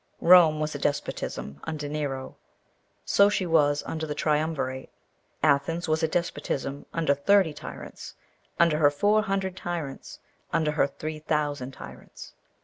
Rome was a despotism under Nero; so she was under the triumvirate. Athens was a despotism under Thirty Tyrants; under her Four Hundred Tyrants; under her Three Thousand Tyrants.